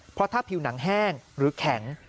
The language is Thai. เพราะถ้าผิวหนังแห้งหรือแข็ง